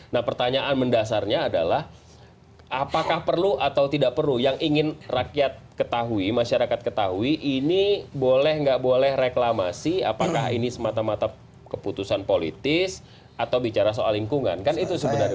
nah pertanyaan mendasarnya adalah apakah perlu atau tidak perlu yang ingin rakyat ketahui masyarakat ketahui ini boleh nggak boleh reklamasi apakah ini semata mata keputusan politis atau bicara soal lingkungan kan itu sebenarnya